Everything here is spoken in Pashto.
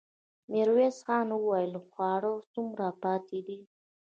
ميرويس خان وويل: خواړه څومره پاتې دي؟